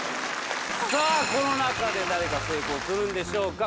さあこの中で誰か成功するんでしょうか？